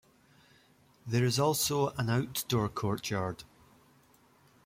There is also a outdoor courtyard.